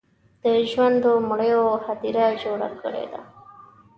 د ژوندو مړیو هدیره جوړه کړې ده.